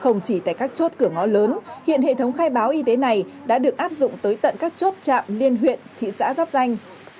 không chỉ tại các chốt cửa ngó lớn hiện hệ thống khai báo y tế này đã được áp dụng tới tận các chốt trạm liên huyện thị xã giáp danh